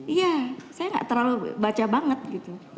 iya saya gak terlalu baca banget gitu